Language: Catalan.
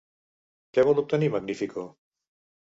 Què vol obtenir Magnifico?